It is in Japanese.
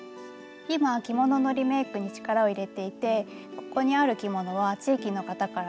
今着物のリメイクに力を入れていてここにある着物は地域の方からの寄付です。